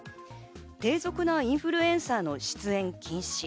低俗なインフルエンサーの出演禁止。